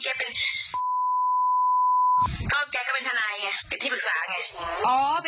เลือกทันัยสักคนหนึ่งอ่ะ